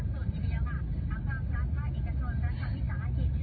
อัปราบทางท่าเอกทนรันทรัพย์วิทยาลักษณะอาหิต